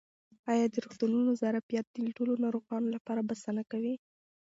آیا د روغتونونو ظرفیت د ټولو ناروغانو لپاره بسنه کوي؟